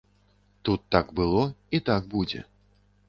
Тут так было, і так будзе.